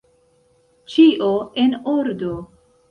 Ĉio, en ordo.